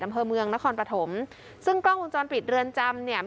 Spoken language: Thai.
อำเภอเมืองนครปฐมซึ่งกล้องวงจรปิดเรือนจำเนี่ย